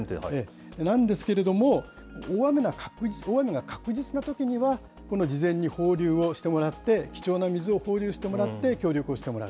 なんですけれども、大雨が確実なときには、この事前に放流をしてもらって、貴重な水を放流してもらって協力をしてもらう。